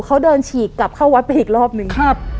เขาเดินฉีกกลับเข้าวัดไปอีกรอบหนึ่งครับ